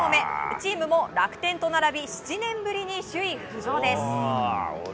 チームも楽天と並び７年ぶりに首位浮上です。